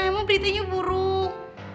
emang beritanya buruk